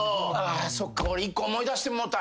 そっか俺一個思い出してもうた。